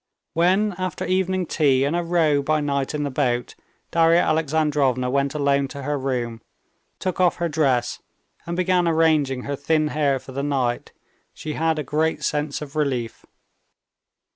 When, after evening tea and a row by night in the boat, Darya Alexandrovna went alone to her room, took off her dress, and began arranging her thin hair for the night, she had a great sense of relief.